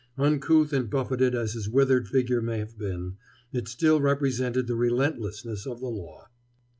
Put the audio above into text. Uncouth and buffeted as his withered figure may have been, it still represented the relentlessness of the Law.